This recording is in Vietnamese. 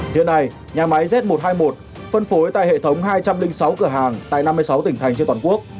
hiện nay nhà máy z một trăm hai mươi một phân phối tại hệ thống hai trăm linh sáu cửa hàng tại năm mươi sáu tỉnh thành trên toàn quốc